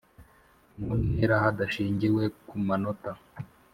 mu ntera hadashingiwe ku manota